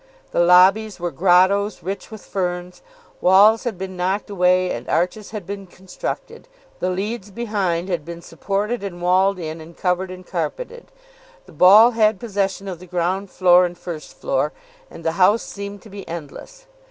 The lobbies were grottoes rich with ferns. Walls had been knocked away and arches had been constructed. The leads behind had been supported and walled in, and covered and carpeted. The ball had possession of the ground floor and first floor, and the house seemed to be endless.